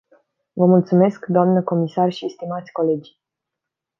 Vă mulțumesc, doamnă comisar și stimați colegi.